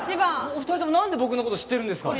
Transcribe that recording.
お二人ともなんで僕の事知ってるんですか？